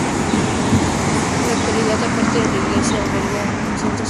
En la actualidad, aparte de la iglesia, alberga un centro psiquiátrico.